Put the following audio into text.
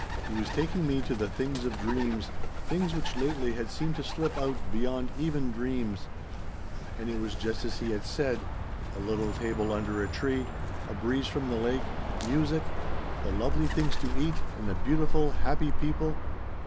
He was taking me to the things of dreams, things which lately had seemed to slip out beyond even dreams. "It was just as he had said A little table under a tree a breeze from the lake music the lovely things to eat and the beautiful happy people.